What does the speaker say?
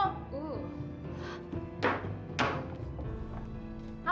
mbak mbak mbak